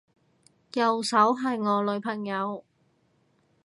右手係我女朋友